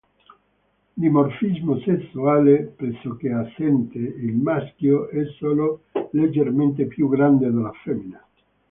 Dimorfismo sessuale pressoché assente: il maschio è solo leggermente più grande della femmina.